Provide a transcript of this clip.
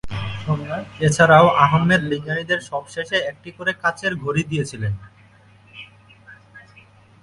এছাড়াও আহম্মেদ বিজ্ঞানীদের সব শেষে একটি করে কাঁচের ঘড়ি দিয়েছিলেন।